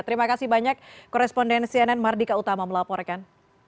terima kasih banyak koresponden cnn mardika utama melaporkan